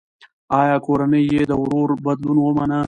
ایا کورنۍ یې د ورور بدلون ومنه؟